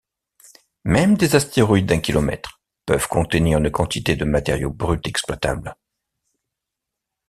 Même des astéroïdes d'un kilomètre peuvent contenir une quantité de matériaux bruts exploitables.